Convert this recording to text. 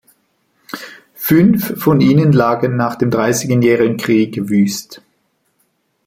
Fünf von ihnen lagen nach dem Dreißigjährigen Krieg wüst.